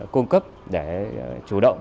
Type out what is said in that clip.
cung cấp để chủ động